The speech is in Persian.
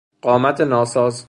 قامت ناساز